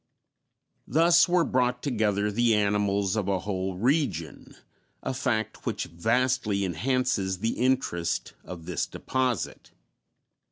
Thus were brought together the animals of a whole region, a fact which vastly enhances the interest of this deposit.